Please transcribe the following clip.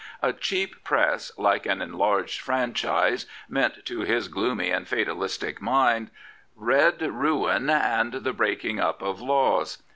A cheap Press, like an enlarged franchise, meant to his gloomy and fatalistic mind ' red ruin and the breaking up of laws.'